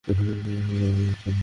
আরো পড়াশোনা করা উচিত ছিল।